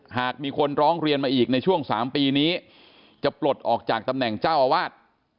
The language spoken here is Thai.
หากมีคนร้องเรียนมาอีกในช่วง๓ปีนี้จะปลดออกจากตำแหน่งเจ้าอาวาส